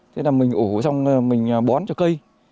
thế là mình ổ xong mình bón cho cây